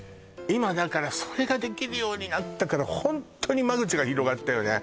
今だからそれができるようになったからホントに間口が広がったよね